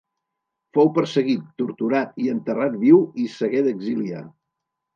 Fou perseguit, torturat i enterrat viu i s’hagué d’exiliar.